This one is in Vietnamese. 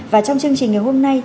và trong chương trình ngày hôm nay